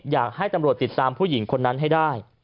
อยากให้ตำรวจติดตามผู้หญิงคนนั้นให้ได้